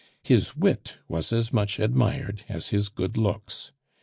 His wit was as much admired as his good looks.